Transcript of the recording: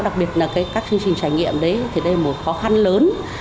đặc biệt là các chương trình trải nghiệm đấy thì đây là một khó khăn lớn